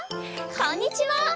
こんにちは！